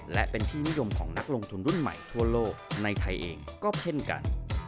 และเป็นที่นิยมของนักลงทุนรุ่นใหม่ทั่วโลกในไทยเองก็เช่นกัน